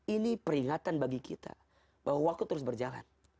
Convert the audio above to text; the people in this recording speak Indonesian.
ini peringatan bagi kita bahwa waktu terus berjalan